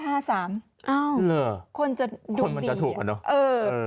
อ้าวคนมันจะถูกกันหรือคนจะดูดี